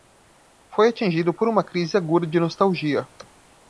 Foi atingido por uma crise aguda de nostalgia